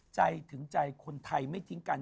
ใจถึงใจคนไทยไม่ทิ้งกัน